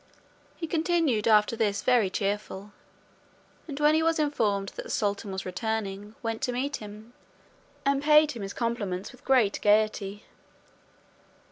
He continued after this very cheerful; and when he was informed that the sultan was returning, went to meet him, and paid him his compliments with great gaiety.